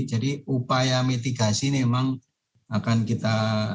jadi upaya mitigasi ini emang akan kita